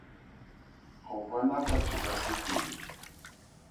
Go bona batho ba se teng.